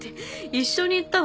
一緒に行ったのに？